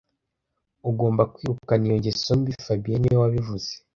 Ugomba kwirukana iyo ngeso mbi fabien niwe wabivuze